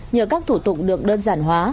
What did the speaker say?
nhờ các thủ tục được đơn giản hóa